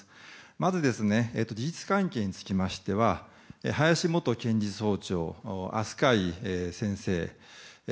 まず、事実関係につきましては林元検事総長、飛鳥井先生